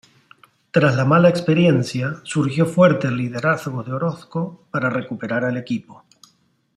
Tras la mala experiencia surgió fuerte el liderazgo de Orozco para recuperar al equipo.